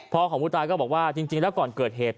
ของผู้ตายก็บอกว่าจริงแล้วก่อนเกิดเหตุ